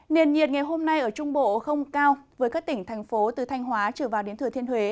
nền nhiệt ngày hôm nay ở trung bộ không cao với các tỉnh thành phố từ thanh hóa trở vào đến thừa thiên huế